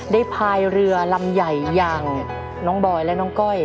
พายเรือลำใหญ่อย่างน้องบอยและน้องก้อย